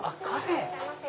いらっしゃいませ。